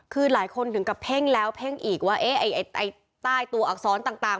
คือหลายคนถึงกระเพ้งแล้วเพ้งอีกว่าเอ๊ะไอ้ไอ้ใต้ตัวอักษรต่างต่าง